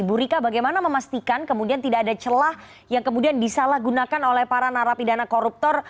bu rika bagaimana memastikan kemudian tidak ada celah yang kemudian disalahgunakan oleh para narapidana koruptor